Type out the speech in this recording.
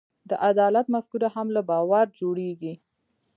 د عدالت مفکوره هم له باور جوړېږي.